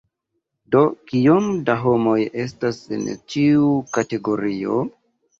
Do kiom da homoj estas en ĉiu kategorio?